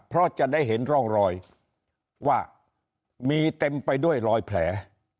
เพราะจะได้เห็นร่องรอยว่ามีเต็มไปด้วยรอยแผล